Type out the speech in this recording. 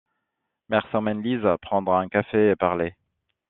Myers emmène Liz prendre un café et parler.